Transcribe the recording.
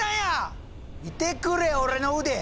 見てくれ俺の腕！